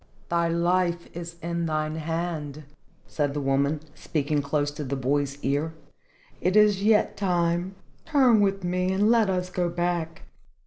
"Thy life is in thine hand," said the woman, speaking close to the boy's ear. "It is yet time. Turn with me and let us go back."